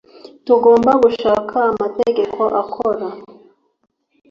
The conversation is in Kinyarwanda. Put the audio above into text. Tugomba gushaka amategeko akora